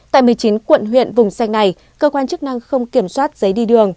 tại một mươi chín quận huyện vùng xanh này cơ quan chức năng không kiểm soát giấy đi đường